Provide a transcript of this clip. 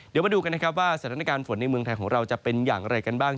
เดี๋ยวมาดูกันนะครับว่าสถานการณ์ฝนในเมืองไทยของเราจะเป็นอย่างไรกันบ้าง